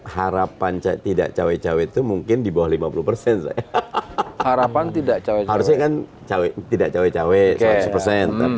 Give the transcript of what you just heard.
harapan tidak cowok cowok itu mungkin di bawah lima puluh harapan tidak cowok cowok tidak cowok cowok